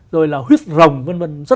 rồi là huyết rồng v v rất là nổi tiếng